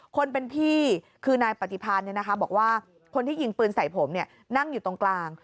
คนเป็นพี่คือนายปฏิพันธ์บอกว่าคนที่ยิงปืนใส่ผมนั่งอยู่ตรงกลาง